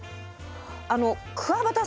あのくわばたさん。